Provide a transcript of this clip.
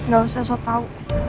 gak usah sok tau